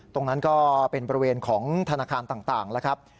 ตรงนั้นก็เป็นบริเวณของธนาคารต่างแล้วครับ